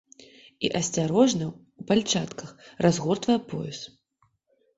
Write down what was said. І асцярожна, у пальчатках, разгортвае пояс.